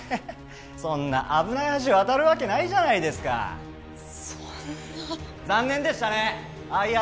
そんな危ない橋渡るわけないじゃないですかそんな残念でしたねＩＲ